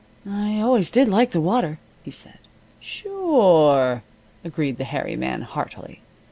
"I always did like the water," he said. "Sure," agreed the hairy man, heartily.